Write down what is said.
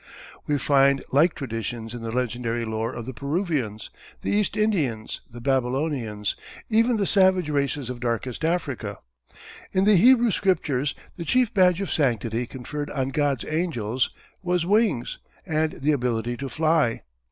We find like traditions in the legendary lore of the Peruvians, the East Indians, the Babylonians, even the savage races of darkest Africa. In the Hebrew scriptures the chief badge of sanctity conferred on God's angels was wings, and the ability to fly.